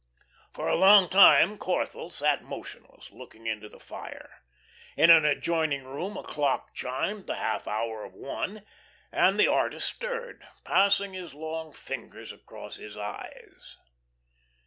For a long time Corthell sat motionless, looking into the fire. In an adjoining room a clock chimed the half hour of one, and the artist stirred, passing his long fingers across his eyes.